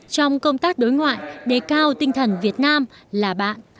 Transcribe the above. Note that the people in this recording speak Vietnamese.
trong công tác đối ngoại đề cao tinh thần việt nam là bạn